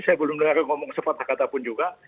saya belum dengar ngomong sepatah kata pun juga